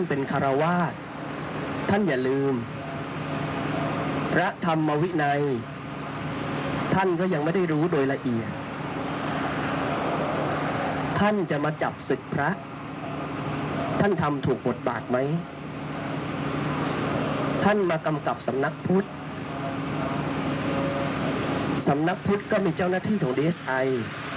พุธก็มีเจ้าหน้าที่ของดีเอสไอ